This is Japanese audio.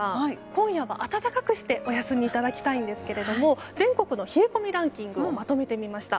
今夜は暖かくしてお休みいただきたいんですけども全国の冷え込みランキングをまとめてみました。